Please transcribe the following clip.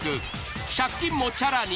借金もチャラに。